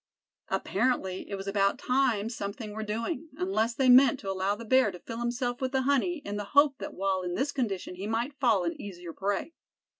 Apparently it was about time something were doing, unless they meant to allow the bear to fill himself with the honey, in the hope that while in this condition he might fall an easier prey.